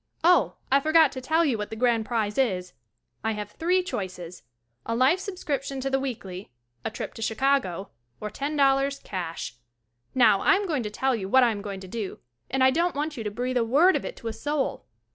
Oh, I forgot to tell you what the grand prize is. I have three choices. A life sub scription to "The Weekly" — a trip to Chi cago — or ten dollars, cash. Now, I am going to tell you what I am going to do and I don't want you to breathe a word of it to a soul.